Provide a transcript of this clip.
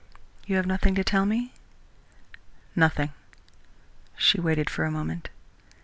"You have nothing to tell me?" "Nothing!" She waited for a moment.